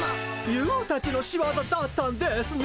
ユーたちの仕業だったんですね！